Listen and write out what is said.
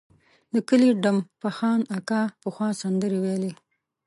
د کلي ډم فخان اکا پخوا سندرې ویلې.